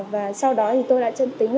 và sau đó thì tôi đã chân tính lại bản thân